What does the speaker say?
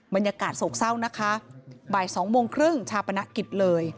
บรรยากาศโศกเศร้านะคะบ่าย๒โมงครึ่งชาปนกิจเลย